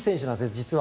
実は。